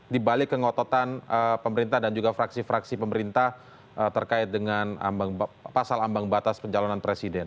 di balik kengototan pemerintah dan juga fraksi fraksi pemerintah terkait dengan pasal ambang batas pencalonan presiden